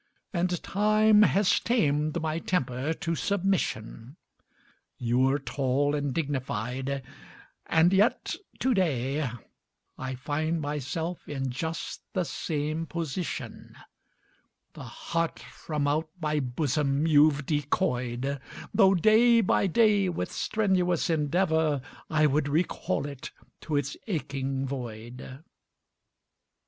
And time has tamed my temper to submission. You're tall and dignified, and yet to day I find myself in just the same position. The heart from out my bosom you've decoyed, Though day by day with strenuous endeavour I would recall it to its aching void.